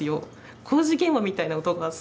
工事現場みたいな音がするんです。